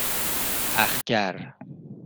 اَخگر